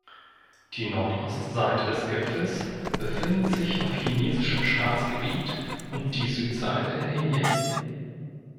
Die Nordostseite des Gipfels befindet sich auf chinesischem Staatsgebiet und die Südseite in Indien.